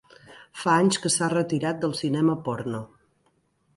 Fa anys que s'ha retirat del cinema porno.